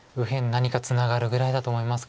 何かツナがるぐらいだと思いますけど。